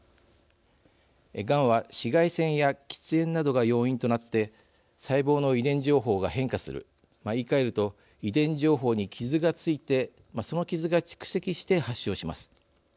がんは、紫外線や喫煙などが要因となって、細胞の遺伝情報が変化する、言いかえると遺伝情報に傷が付いてその傷が蓄積して発症します。